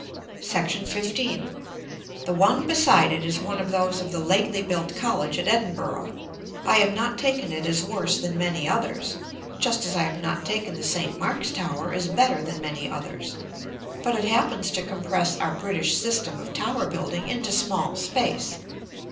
§ XV. The one beside it is one of those of the lately built college at Edinburgh. I have not taken it as worse than many others (just as I have not taken the St. Mark's tower as better than many others); but it happens to compress our British system of tower building into small space.